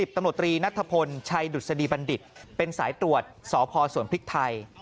ตำรวจตรีนัทพลชัยดุษฎีบัณฑิตเป็นสายตรวจสพสวนพริกไทย